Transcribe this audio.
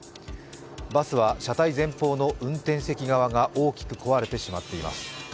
バスは車体前方の運転席側が大きく壊れてしまっています。